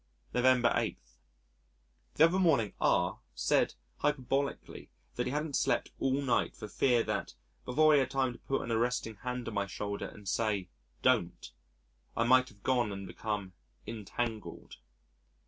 November 8. The other morning R said hyperbolically that he hadn't slept all night for fear that, before he had time to put an arresting hand on my shoulder and say "Don't," I might have gone and become "Entangled."